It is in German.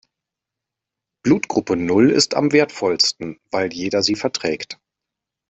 Blutgruppe Null ist am wertvollsten, weil jeder sie verträgt.